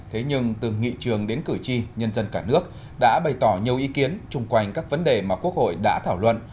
thế nhưng từ nghị trường đến cử tri nhân dân cả nước đã bày tỏ nhiều ý kiến chung quanh các vấn đề mà quốc hội đã thảo luận